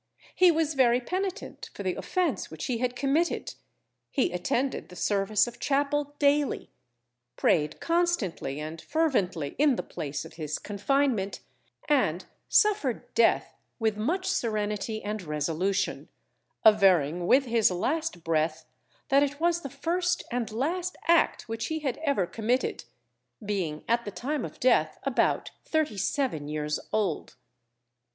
He was very penitent for the offence which he had committed; he attended the service of chapel daily, prayed constantly and fervently in the place of his confinement, and suffered death with much serenity and resolution; averring with his last breath, that it was the first and last act which he had ever committed, being at the time of death about thirty seven years old.